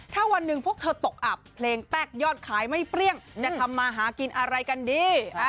ถ้าวันหนึ่งพวกเธอตกอับเพลงแป๊กยอดขายไม่เปรี้ยงจะทำมาหากินอะไรกันดี